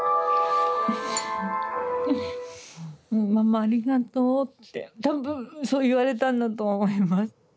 「ママありがとう」って多分そう言われたんだと思います。